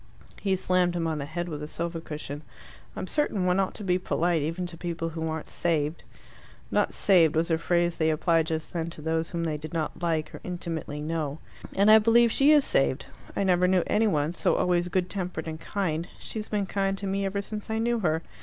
He slammed him on the head with a sofa cushion. "I'm certain one ought to be polite, even to people who aren't saved." ("Not saved" was a phrase they applied just then to those whom they did not like or intimately know.) "And I believe she is saved. I never knew any one so always good tempered and kind. She's been kind to me ever since I knew her.